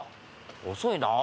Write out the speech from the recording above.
遅いなあ。